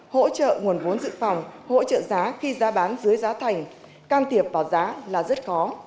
hỗ trợ nguồn vốn dự phòng hỗ trợ giá khi giá bán dưới giá thành can thiệp vào giá là rất khó